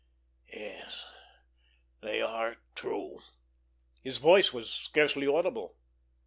"Yes, they are true." His voice was scarcely audible.